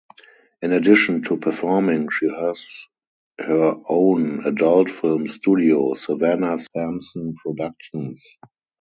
In addition to performing, she has her own adult film studio, Savanna Samson Productions.